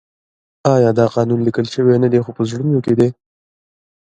آیا دا قانون لیکل شوی نه دی خو په زړونو کې دی؟